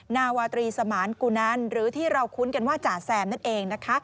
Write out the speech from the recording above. นาวาตรีสมานกุนันหรือที่เราคุ้นกันว่าจ่าแซมนั่นเองนะคะ